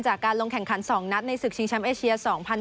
จากการลงแข่งขัน๒นัดในศึกชิงแชมป์เอเชีย๒๐๑๖